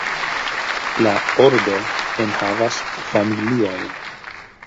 La ordo enhavas familiojn.